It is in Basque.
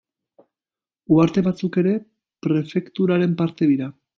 Uharte batzuk ere prefekturaren parte dira.